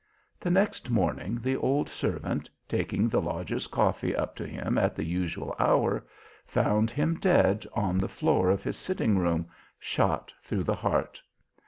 The next morning the old servant, taking the lodger's coffee up to him at the usual hour, found him dead on the floor of his sitting room, shot through the heart.